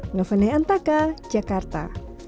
ngovene antaka jakarta